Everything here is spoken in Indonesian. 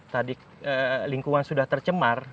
tadi lingkungan sudah tercemar